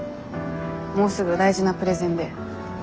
もうすぐ大事なプレゼンでやばい。